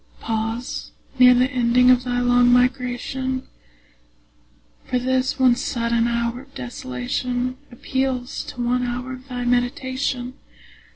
Pause near the ending of thy long migration; For this one sudden hour of desolation Appeals to one hour of thy meditation.